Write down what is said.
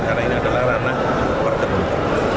karena ini adalah ranah pertempuran